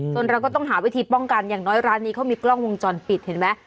เราก็ต้องหาวิธีป้องกันอย่างน้อยร้านนี้เขามีกล้องวงจรปิดเห็นไหม